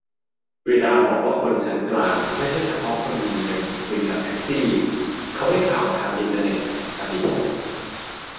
"เวลาบอกว่าคนชั้นกลาง ไม่ใช่เฉพาะคนมีเงิน คุยกับแท็กซี่ เขาได้ข่าวทางอินเทอร์เน็ต" - อติภพ